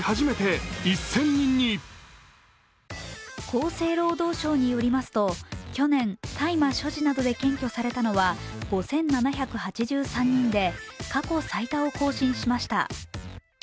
厚生労働省によりますと去年、大麻所持などで検挙されたのは５７８３人で、過去最多を更新しました。